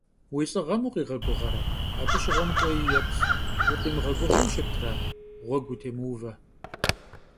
Vui lh'ığem vukhiğeguğere, abı şığuem k'uei yêplh, vukhimığeguğeu şıtre, ğuegu vutêmıuve.